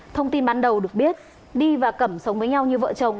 thông tin ban đầu được biết đi và cẩm sống với nhau như vợ chồng